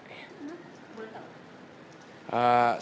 bagaimana boleh tahu